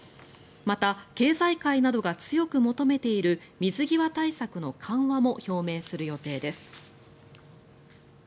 また経済界などが強く求めている水際対策の緩和も表明する予定です。